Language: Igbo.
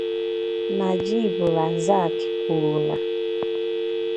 Najib Razak kwuru na